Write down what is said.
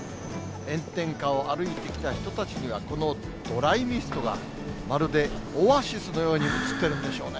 炎天下を歩いてきた人たちには、このドライミストがまるでオアシスのように映ってるんでしょうね。